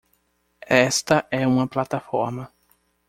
Esta é uma plataforma